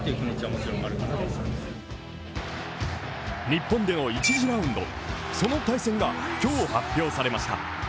日本での１次ラウンドその対戦が、今日、発表されました。